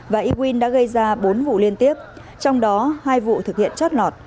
và ewin đã gây ra bốn vụ liên tiếp trong đó hai vụ thực hiện chót lọt